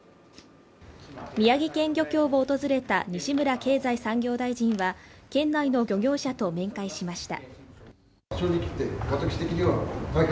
宮城県漁協を訪れた西村経済産業大臣は、県内の漁業者と面会しました。